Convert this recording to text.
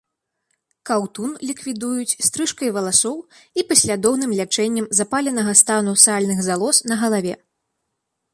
Каўтун ліквідуюць стрыжкай валасоў і паслядоўным лячэннем запаленага стану сальных залоз на галаве.